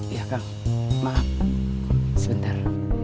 iya kang maaf sebentar